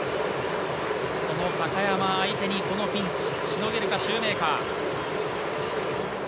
その高山相手にこのピンチ、しのげるかシューメーカー。